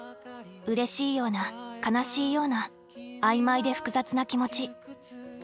うれしいような悲しいような曖昧で複雑な気持ち。